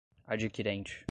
adquirente